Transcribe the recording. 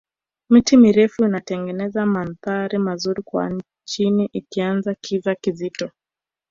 miti mirefu inatengeneza mandhari mazuri kwa chini ikiacha kiza kizito